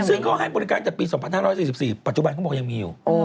ซึ่งเขาให้บริการแต่ปี๒๕๔๔ปัจจุบันเขาบอกยังมีอยู่